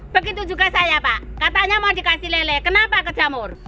begitu juga saya pak katanya mau dikasih lele kenapa ke jamur